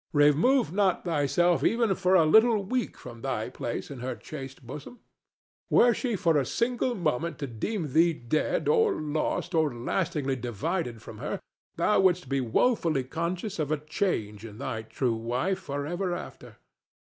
Remove not thyself even for a little week from thy place in her chaste bosom. Were she for a single moment to deem thee dead or lost or lastingly divided from her, thou wouldst be woefully conscious of a change in thy true wife for ever after.